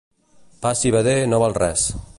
Pa civader no val res.